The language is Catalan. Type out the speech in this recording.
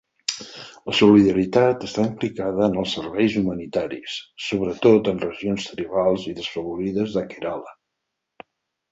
La solidaritat està implicada en els serveis humanitaris, sobretot en regions tribals i desfavorides de Kerala.